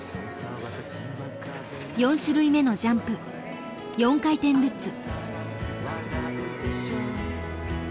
４種類目のジャンプ４回転ルッツ。